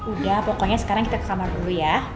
udah pokoknya sekarang kita ke kamar dulu ya